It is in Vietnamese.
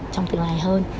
trong tương lai hơn